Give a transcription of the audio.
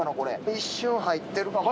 一瞬入ってるかも。